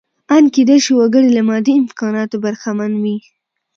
ان کېدای شي وګړی له مادي امکاناتو برخمن وي.